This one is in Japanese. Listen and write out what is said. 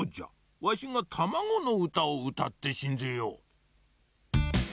わしがたまごのうたをうたってしんぜよう。